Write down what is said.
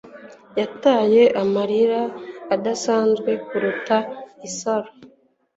Yataye amarira adasanzwe kuruta isaro